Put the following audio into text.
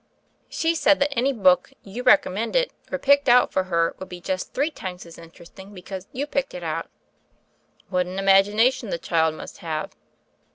"She said that any book you recommended or picked out for her would be just three times as interesting because you picked it out." "What an imagination tne child must have."